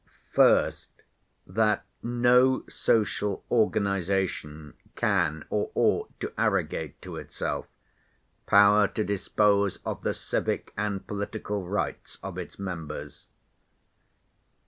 First, that 'no social organization can or ought to arrogate to itself power to dispose of the civic and political rights of its members.